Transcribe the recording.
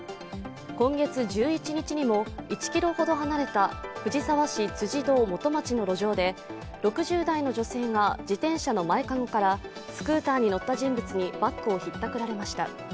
今月１１日にも１ｋｍほど離れた藤沢市辻堂元町の路上で６０代の女性が自転車の前籠からスクーターに乗った人物にバッグをひったくられました。